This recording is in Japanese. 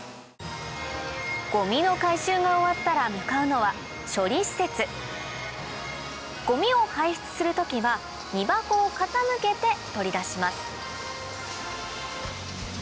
ごみの回収が終わったら向かうのは処理施設ごみを排出する時は荷箱を傾けて取り出します